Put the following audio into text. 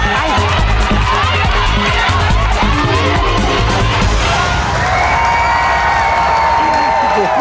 ไม่ออกไป